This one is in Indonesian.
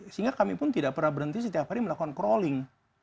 sehingga kami pun tidak pernah berhenti setiap hari melakukan crawling